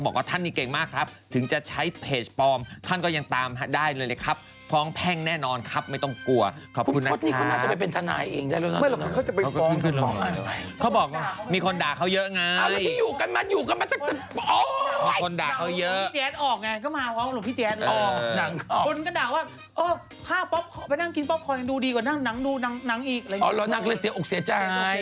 หลายคนก็เดี๋ยวเอานังอะไรอย่างเยอะแบบนั้นแหละ